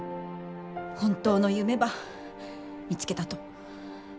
本当の夢ば見つけたと。